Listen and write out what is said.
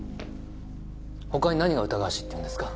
他に何が疑わしいって言うんですか？